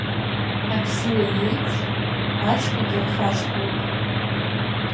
Абзиа еиԥш, ацәгьагьы рхашҭуеит.